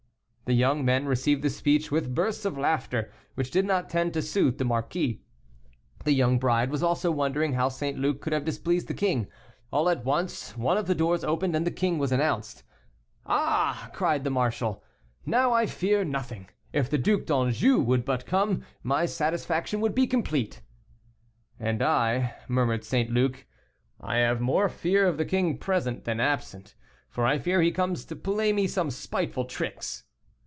The young men received this speech with bursts of laughter, which did not tend to soothe the marquis. The young bride was also wondering how St. Luc could have displeased the king. All at once one of the doors opened and the king was announced. "Ah!" cried the marshal, "now I fear nothing; if the Duc d'Anjou would but come, my satisfaction would be complete." "And I," murmured St. Luc; "I have more fear of the king present than absent, for I fear he comes to play me some spiteful tricks."